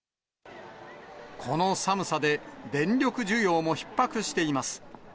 この寒さで、電力需要もひっ迫しています。